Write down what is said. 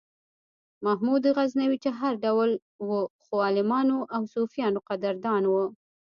محمود غزنوي چې هر ډول و خو د عالمانو او صوفیانو قدردان و.